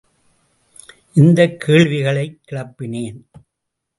இந்தக் கேள்விகளைக் கிளப்பினேன்.